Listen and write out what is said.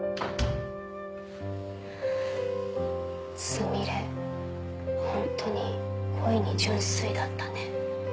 純恋ホントに恋に純粋だったね。